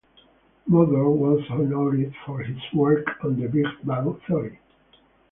Mather was honored for his work on the big-bang theory.